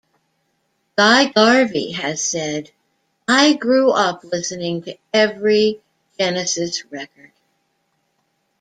Guy Garvey has said: I grew up listening to every Genesis record.